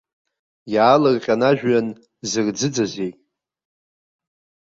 Иаалырҟьан ажәҩан зырӡыӡазеи?